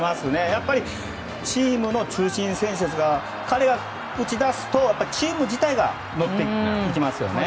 やはりチームの中心選手なので彼は打ち出すとチーム自体が乗っていきますよね。